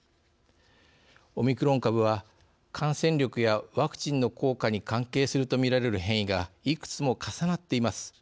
オミクロン株は感染力やワクチンの効果に関係するとみられる変異がいくつも重なっています。